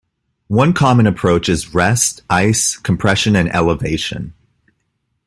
One common approach is rest, ice, compression and elevation.